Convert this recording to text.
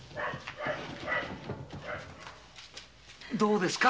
どうですか？